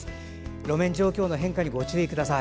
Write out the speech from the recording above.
路面状況の変化にご注意ください。